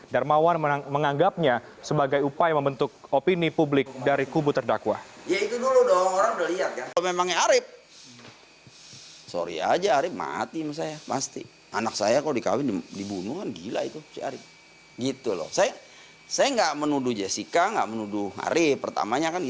darmawan menganggapnya sebagai upaya membentuk opini publik dari kubu terdakwa